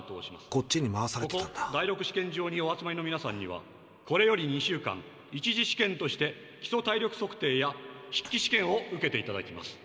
ここ第６試験場にお集まりのみなさんにはこれより２週間１次試験として基礎体力測定や筆記試験を受けていただきます。